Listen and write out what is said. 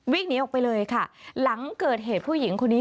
วิ่งหนีออกไปเลยค่ะหลังเกิดเหตุผู้หญิงคนนี้